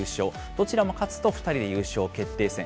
どちらも勝つと、２人で優勝決定戦。